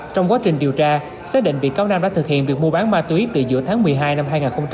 trong quá trình điều tra xác định bị cáo nam đã thực hiện việc mua bán ma túy từ giữa tháng một mươi hai năm hai nghìn hai mươi ba